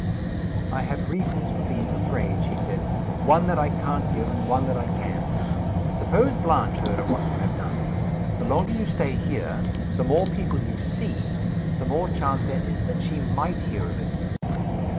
"I have reasons for being afraid," she said. "One that I can't give; and one that I can. Suppose Blanche heard of what you have done? The longer you stay here the more people you see the more chance there is that she might hear of it."